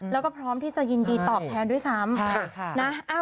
แล้วก็พร้อมที่จะยินดีตอบแทนด้วยซ้ำ